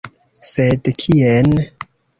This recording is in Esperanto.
Sed kien?